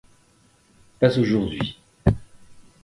Pas aujourd'hui.